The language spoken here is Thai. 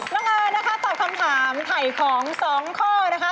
น้องเอิญนะคะตอบคำถามไถ่ของ๒ข้อนะคะ